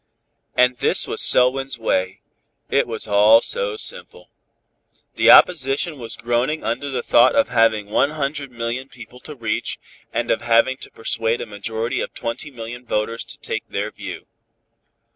And this was Selwyn's way. It was all so simple. The opposition was groaning under the thought of having one hundred millions of people to reach, and of having to persuade a majority of twenty millions of voters to take their view.